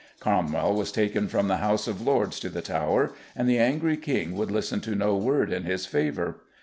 Cromwell was taken from the House of Lords to the Tower, and the angry King would listen to no word in his favour.